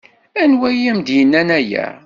Anwa i am-d-yennan aya?